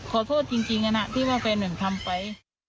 ขอโทษจริงอันนั้นที่ว่าเป็นเหมือนทำไป